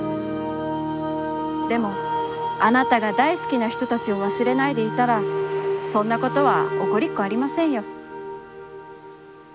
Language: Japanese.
「でも、あなたが大すきなひとたちをわすれないでいたら、そんなことはおこりっこありませんよ」